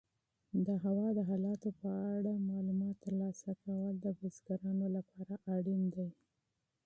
د هوا د حالاتو په اړه معلومات ترلاسه کول د بزګرانو لپاره اړین دي.